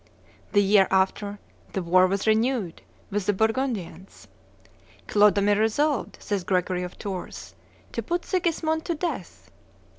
The year after, the war was renewed with the Burgundians. "Clodomir resolved," says Gregory of Tours, "to put Sigismund to death.